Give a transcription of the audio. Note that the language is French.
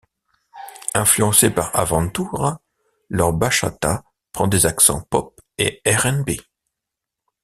Influencés par Aventura, leur bachata prend des accents pop et r'n'b.